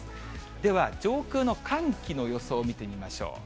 では、上空の寒気の予想を見てみましょう。